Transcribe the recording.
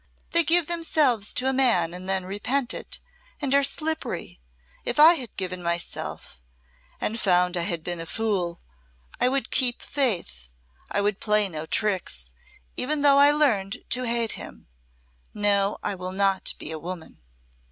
They give themselves to a man and then repent it and are slippery. If I had given myself, and found I had been a fool, I would keep faith. I would play no tricks even though I learned to hate him. No, I will not be a woman."